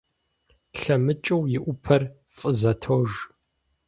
ЛъэмыкӀыу и Ӏупэр фӀызэтож.